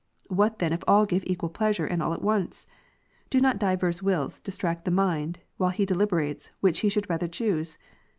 What then if all give equal pleasure, and all at once ? Do not divers wills distract the mind, while he deliberates, which he should rather choose